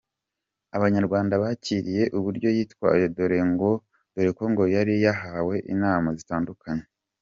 Abanyarwanda bakiriye uburyo yitwaye dore ko ngo yari yahawe inama zitandukanye.